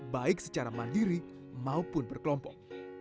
baik secara mandiri maupun berkelompok